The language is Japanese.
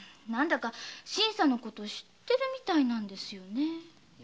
新さんのこと知ってるみたいなんですよね。